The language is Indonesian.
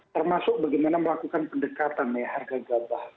termasuk bagaimana melakukan pendekatan ya harga gabah